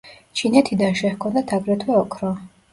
ჩინეთიდან შეჰქონდათ აგრეთვე ოქრო.